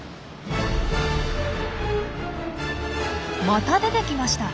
また出てきました。